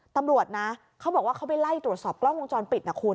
ตำรวจนะเขาบอกว่าเขาไปไล่ตรวจสอบกล้องวงจรปิดนะคุณ